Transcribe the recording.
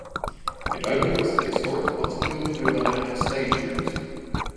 It overlooks the historic Butterfield Overland Stage route.